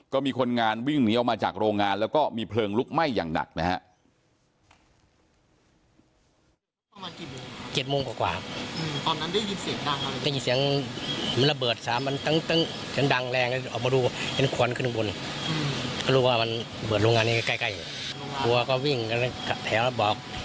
ก็มีคนงานวิ่งหนีออกมาจากโรงงานแล้วก็มีเพลิงลุกไหม้อย่างหนักนะฮะ